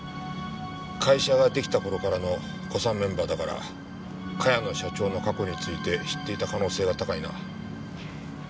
会社が出来た頃からの古参メンバーだから茅野社長の過去について知っていた可能性が高いな。